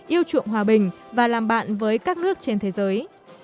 yêu chuộng hòa bình và làm bạn với các nước trên thế giới